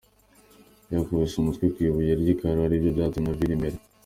Yakubise umutwe ku ibuye ry’ikaro ari byo byatumye avira imbere.